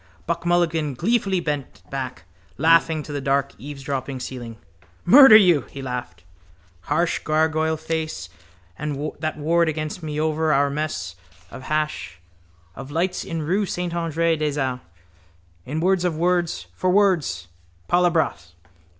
Buck Mulligan gleefully bent back, laughing to the dark eavesdropping ceiling. —Murder you! he laughed. Harsh gargoyle face that warred against me over our mess of hash of lights in rue Saint André des Arts. In words of words for words, palabras.